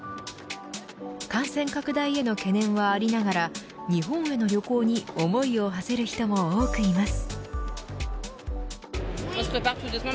感染拡大への懸念はありながら日本への旅行に思いをはせる人も多くいます。